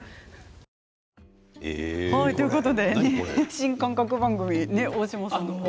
新感覚番組、大島さんも。